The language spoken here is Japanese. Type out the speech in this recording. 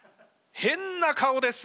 変な顔です。